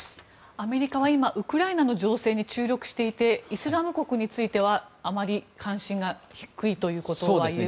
アメリカは今ウクライナの情勢に注力していてイスラム国についてはあまり関心が低いということはいえるんでしょうか。